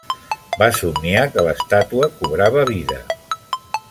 Va somniar que l'estàtua cobrava vida.